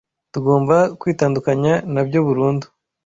tugomba kwitandukanya na byo burundu.